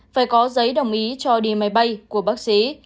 phải có giấy đồng ý cho đi máy bay của bác sĩ